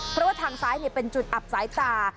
เพราะว่าทางซ้ายเป็นจุดอับสายตา